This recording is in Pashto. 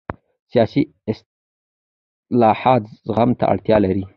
سیاسي اصلاحات زغم ته اړتیا لري